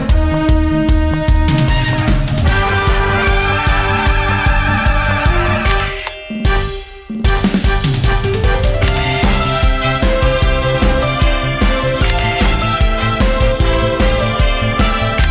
สวัสดีค่ะ